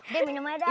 dek minum aja dah